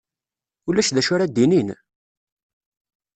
Ulac d acu ara d-inin?